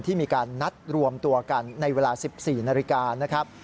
มีการนัดรวมตัวกันในเวลา๑๔นาฬิกานะครับ